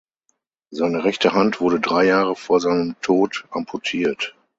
Seine rechte Hand wurde drei Jahre vor seinem Tod amputiert.